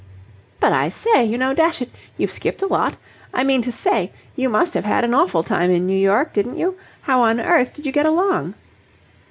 "But, I say, you know, dash it, you've skipped a lot. I mean to say, you must have had an awful time in New York, didn't you? How on earth did you get along?"